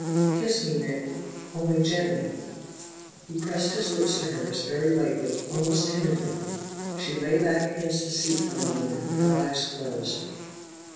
"Kiss me, Nick only gently." He pressed his lips to hers, very lightly, almost timidly. She lay back against the seat for a moment, her eyes closed.